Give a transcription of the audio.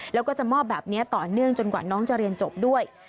แล้วก็จะมอบแบบนี้ต่อเนื่องจนกว่าน้องจะเรียนจบด้วย